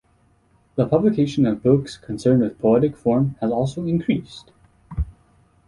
The publication of books concerned with poetic form has also increased.